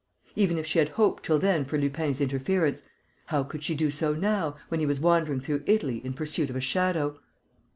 Even if she had hoped till then for Lupin's interference, how could she do so now, when he was wandering through Italy in pursuit of a shadow?